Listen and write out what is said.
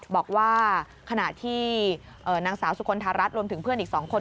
บอกว่าขณะที่นางสาวสุคลธารัฐรวมถึงเพื่อนอีก๒คน